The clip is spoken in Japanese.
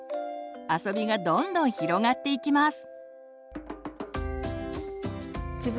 あそびがどんどん広がっていきます。